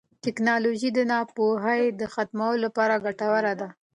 ټیکنالوژي د ناپوهۍ د ختمولو لپاره ګټوره ده.